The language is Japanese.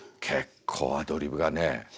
結構アドリブがね。